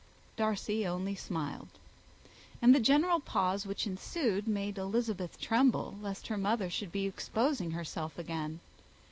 Darcy only smiled; and the general pause which ensued made Elizabeth tremble lest her mother should be exposing herself again.